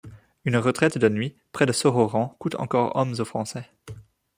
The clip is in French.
Une retraite de nuit, près de Sorauren, coute encore hommes aux Français.